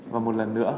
và một lần nữa